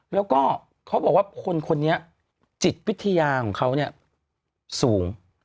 แล้วก็เขาบอกว่าคนคนนี้จิตวิทยาของเขาเนี่ยสูง